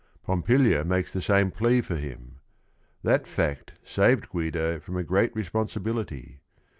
Pompilia makes the same plea for him. That fact saved Guido from a great responsibility.